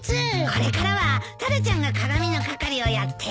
これからはタラちゃんが鏡の係をやって。